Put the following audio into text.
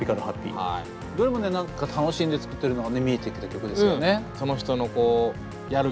どれもね何か楽しんで作ってるのがね見えてきた曲ですよね。